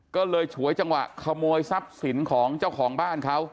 ก็เลยฉวยจังหวะขโมยทรัพย์สินของเจ้าของบ้านเขา